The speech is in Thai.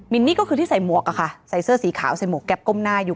นี่ก็คือที่ใส่หมวกอะค่ะใส่เสื้อสีขาวใส่หมวกแก๊ปก้มหน้าอยู่